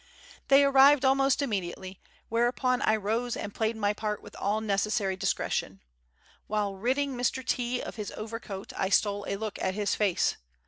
They arrived almost immediately, whereupon I rose and played my part with all necessary discretion. While ridding Mr. T of his overcoat, I stole a look at his face.